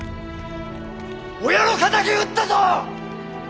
親の敵討ったぞ！